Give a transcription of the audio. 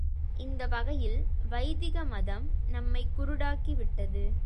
இந்த வகையில் வைதிக மதம் நம்மை குருடாக்கிவிட்டது.